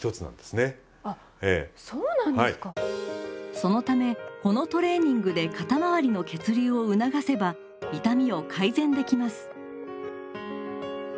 そのためこのトレーニングで肩周りの血流を促せば痛みを改善できます。